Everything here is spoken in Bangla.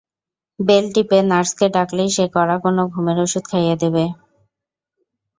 বেল টিপে নার্সকে ডাকলেই সে কড়া কোনো ঘুমের ওষুধ খাইয়ে দেবে।